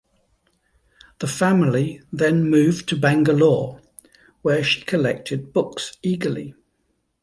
The family then moved to Bangalore where she collected books eagerly.